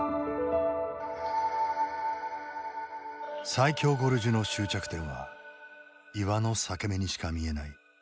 最狭ゴルジュの終着点は岩の裂け目にしか見えない。